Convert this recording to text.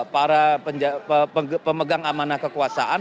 para pemegang amanah kekuasaan